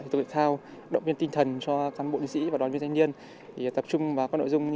tổ chức hành đoàn thanh niên tập trung vào các nội dung